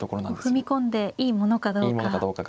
踏み込んでいいものかどうか。